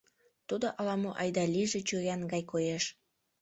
Тудо ала-мо айда лийже чуриян гай коеш.